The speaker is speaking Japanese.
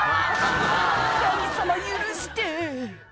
「神様許して」